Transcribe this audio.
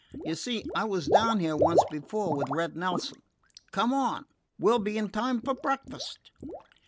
You see, I was down here once before, with Red Nelson. Come on. We 'll be in in time for breakfast."